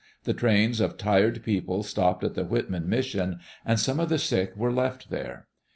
The trains of tired people stopped at the Whitman mission, and some of the sick were left there.